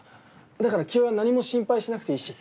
だから清居は何も心配しなくていいし。